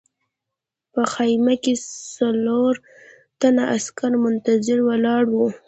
په خیمه کې څلور تنه عسکر منتظر ولاړ وو